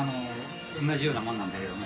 同じようなものなんだけども。